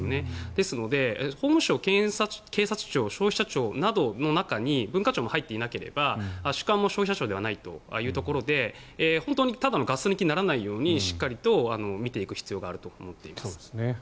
ですので法務省、検察庁消費者庁の中に文化庁も入っていなければ所管も消費者庁ではないということで本当にただのガス抜きにならないようにしっかりと見ていく必要があると思っています。